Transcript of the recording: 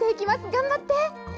頑張って！